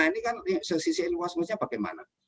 ini kan sesisi investmentnya bagaimana